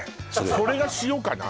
それが塩かな？